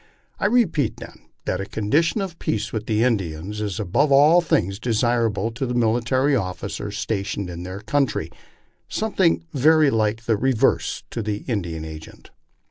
I repeat, then, that a condition of peace with the Indiana Is above all things desirable to the military officer stationed in their country: something very like the reverse to the Indian agent.